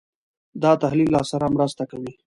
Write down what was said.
دا تحلیل راسره مرسته کوي.